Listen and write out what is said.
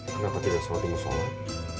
kenapa tidak sholat di musolah